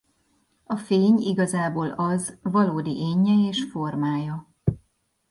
A fény igazából Az valódi énje és formája.